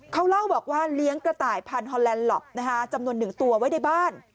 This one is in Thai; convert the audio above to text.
เขาเล่าบอกว่าเลี้ยงกระต่ายพันธุ์ฮอลแลนด์หลอบนะคะจำนวนหนึ่งตัวไว้ในบ้าน